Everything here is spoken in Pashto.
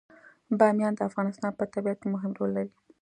بامیان د افغانستان په طبیعت کې مهم رول لري.